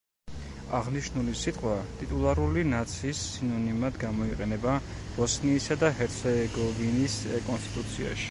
აღნიშნული სიტყვა ტიტულარული ნაციის სინონიმად გამოიყენება ბოსნიისა და ჰერცეგოვინის კონსტიტუციაში.